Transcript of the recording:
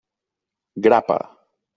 Grapa.